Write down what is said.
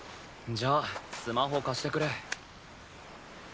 じゃあスマホ貸してくれ。